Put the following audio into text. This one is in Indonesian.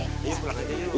iya pulang aja